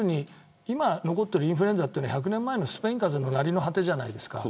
今残ってるインフルエンザは１００年前のスペイン風の成れの果てじゃないですか。